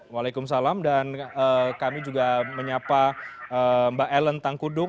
waalaikumsalam dan kami juga menyapa mbak ellen tangkudung